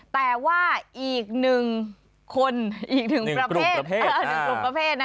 แต่ว่าอีกหนึ่งคนอีกหนึ่งกลุ่มประเภท